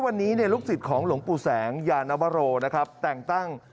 วันนี้ลูกศิษย์ของหลวงปู่แสงยานวโรนะครับแต่งตั้ง